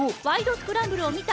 スクランブル」を見た！